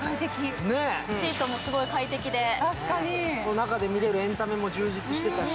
中で見れるエンタメも充実してたし。